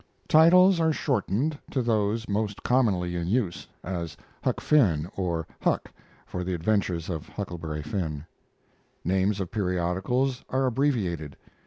Titles are shortened to those most commonly in use, as "Huck Finn" or "Huck" for "The Adventures of Huckleberry Finn." Names of periodicals are abbreviated.